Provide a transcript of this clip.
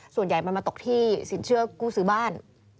ส่วนใหญ่มันมาตกที่สินเชื่อกู้ซื้อบ้าน